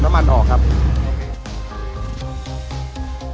สวัสดีครับคุณผู้ชาย